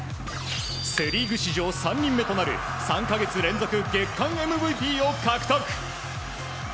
セ・リーグ史上３人目となる３か月連続月間ＭＶＰを獲得。